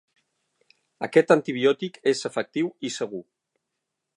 Aquest antibiòtic és efectiu i segur.